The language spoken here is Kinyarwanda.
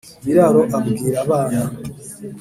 biraro abwira abana